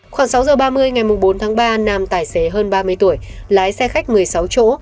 khoảng sáu giờ ba mươi ngày bốn tháng ba nam tài xế hơn ba mươi tuổi lái xe khách một mươi sáu chỗ